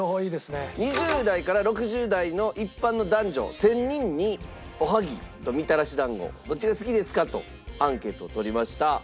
２０代から６０代の一般の男女１０００人におはぎとみたらし団子どっちが好きですかとアンケートを取りました。